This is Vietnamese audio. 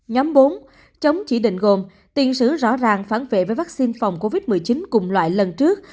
nhóm bốn chống chỉ định gồm tiền sử rõ ràng phản vệ với vaccine phòng covid một mươi chín cùng loại lần trước